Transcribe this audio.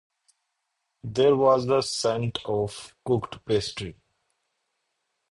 There was a scent of cooked pastry.